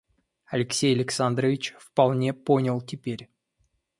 Алексей Александрович вполне понял теперь.